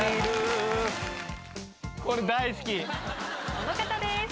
この方です。